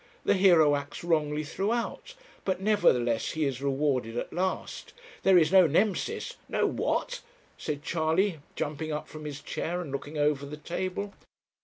The hero acts wrongly throughout, but nevertheless he is rewarded at last. There is no Nemesis ' 'No what?' said Charley, jumping up from his chair and looking over the table.